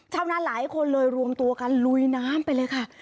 ชาวนาหลายคนเลยรวมตัวกันลุยน้ำไปเลยค่ะ